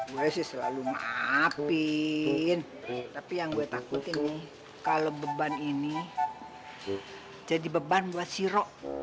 gue sih selalu maafin tapi yang gue takutin nih kalau beban ini jadi beban buat sirok